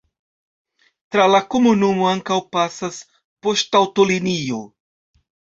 Tra la komunumo ankaŭ pasas poŝtaŭtolinio.